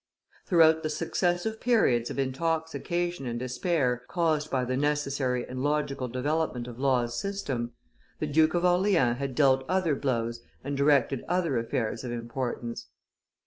Throughout the successive periods of intoxication and despair caused by the necessary and logical development of Law's system, the Duke of Orleans had dealt other blows and directed other affairs of importance.